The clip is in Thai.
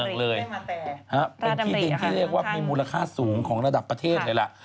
ครับเป็นพิเศษที่เรียกว่ามีมูลค่าสูงของระดับประเทศเลยแหละ